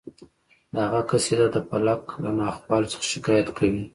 د هغه قصیده د فلک له ناخوالو څخه شکایت کوي